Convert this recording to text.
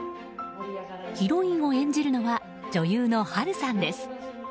ヒロインを演じるのは女優の波瑠さんです。